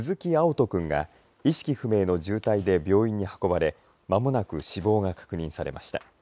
斗君が意識不明の重体で病院に運ばれまもなく死亡が確認されました。